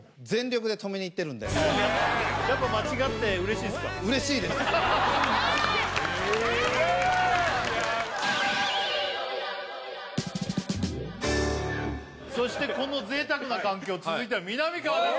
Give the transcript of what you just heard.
そっかそしてこの贅沢な環境続いてはみなみかわです